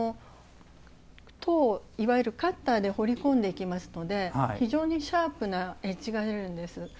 刀いわゆるカッターで彫り込んでいきますので非常にシャープなエッジが出るんです。